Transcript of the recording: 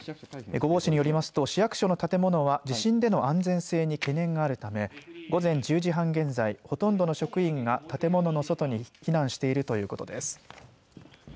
御坊市によりますと市役所の建物は地震での安全性に懸念があるため午前１０時半現在、ほとんどの職員が建物の外に避難しているということです。